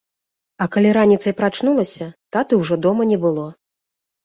А калі раніцай прачнулася, таты ўжо дома не было.